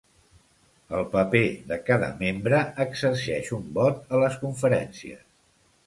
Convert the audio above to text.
El paper de cada membre exerceix un vot a les conferències.